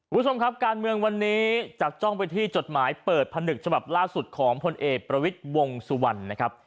คุณผู้ชมครับการเมืองวันนี้จับจ้องไปที่จดหมายเปิดผนึกฉบับล่าสุดของพลเอกประวิทย์วงสุวรรณนะครับ